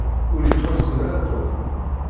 Ur yettwassen ara Tom.